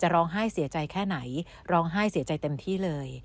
ร้องไห้เสียใจแค่ไหนร้องไห้เสียใจเต็มที่เลย